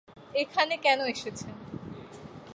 এখানে কেন এসেছেন?